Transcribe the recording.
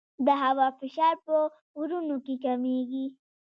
د هوا فشار په غرونو کې کمېږي.